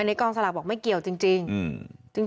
อันนี้กองสลากบอกไม่เกี่ยวจริง